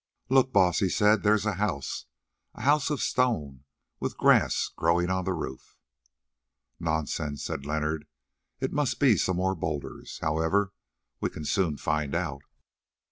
"Look, Baas," he said, "there is a house, a house of stone with grass growing on the roof." "Nonsense," said Leonard, "it must be some more boulders. However, we can soon find out."